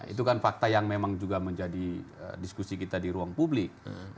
itu kan fakta yang memang juga menjadi diskusi kita di ruang publik